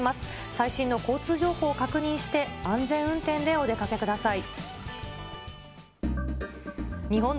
最新の交通情報を確認して、安全運転でお出かけください。